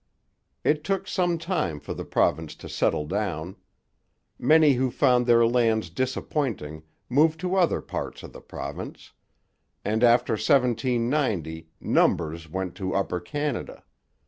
It took some time for the province to settle down. Many who found their lands disappointing moved to other parts of the province; and after 1790 numbers went to Upper Canada.